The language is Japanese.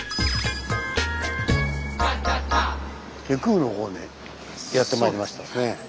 外宮の方にやってまいりましたですね。